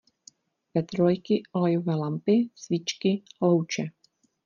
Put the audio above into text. Petrolejky, olejové lampy, svíčky, louče...